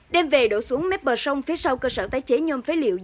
đem về đổ xuống mép bờ sông phía sau cơ sở tái chế nhôm phế liệu